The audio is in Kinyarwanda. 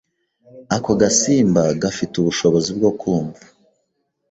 Ako gasimba gafite ubushobozi bwo kumva